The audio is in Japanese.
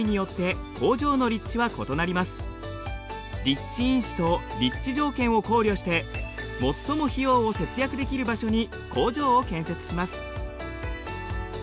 立地因子と立地条件を考慮して最も費用を節約できる場所に工場を建設します。